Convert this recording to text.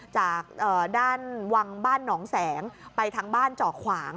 จากด้านวังบ้านหนองแสงไปทางบ้านเจาะขวาง